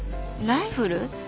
ライフル？